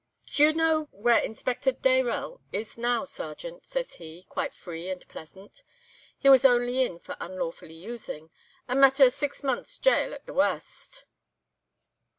"'D'ye know where Inspector Dayrell is now, Sergeant?' says he, quite free and pleasant. He was only in for 'unlawfully using'—a maitter o' six months' gaol at the warst.